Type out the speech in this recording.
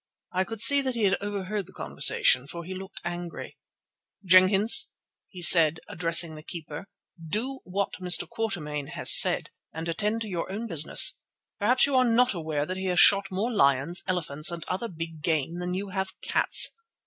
I could see that he had overheard the conversation, for he looked angry. "Jenkins," he said, addressing the keeper, "do what Mr. Quatermain has said and attend to your own business. Perhaps you are not aware that he has shot more lions, elephants, and other big game than you have cats.